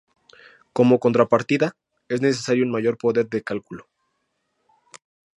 Como contrapartida, es necesario un mayor poder de cálculo.